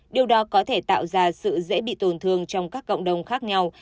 điều đó có thể tạo ra sự dễ bị tổn thương trong các cộng đồng khác nhau